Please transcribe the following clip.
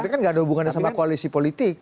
tapi kan gak ada hubungannya sama koalisi politik